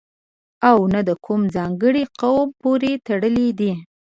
او نه د کوم ځانګړي قوم پورې تړلی دی.